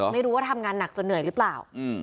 ไม่รู้ว่าทำงานหนักจนเหนื่อยหรือเปล่า